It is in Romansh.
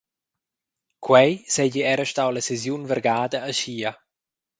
Quei seigi era stau la sesiun vargada aschia.